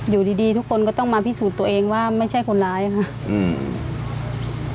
อยู่ดีดีทุกคนก็ต้องมาพิสูจน์ตัวเองว่าไม่ใช่คนร้ายค่ะอืม